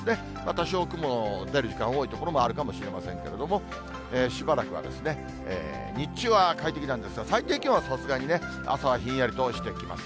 多少、雲の出る時間多い所もあるかもしれませんけれども、しばらくはですね、日中は快適なんですが、最低気温はさすがにね、朝はひんやりとしてきます。